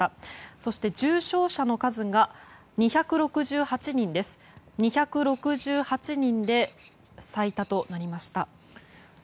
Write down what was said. そして、重症者の数が２６８人で最多となりました。